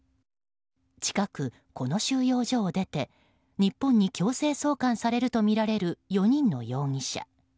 近く、この収容所を出て日本に強制送還されるとみられる４人の容疑者。